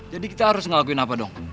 jadi kita harus ngelakuin apa dong